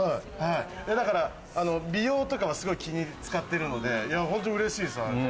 美容とかは、すごい気を使ってるので、本当に嬉しいです。